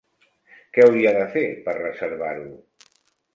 Que hauria de fer per reservar-ho?